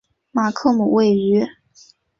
马克姆位于。